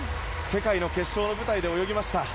世界の決勝の舞台で泳ぎました。